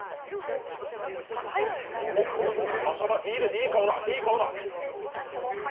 いい顔だ、いい顔だ。